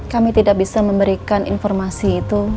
kami tidak bisa memberikan informasi itu